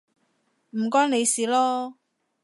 唔關你事囉